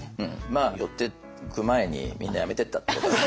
まあ寄ってく前にみんな辞めてったってことが。